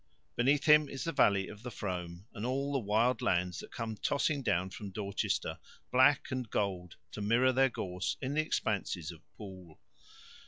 Beneath him is the valley of the Frome, and all the wild lands that come tossing down from Dorchester, black and gold, to mirror their gorse in the expanses of Poole.